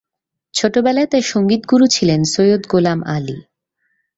ছোটবেলায় তার সঙ্গীত গুরু ছিলেন সৈয়দ গোলাম আলী।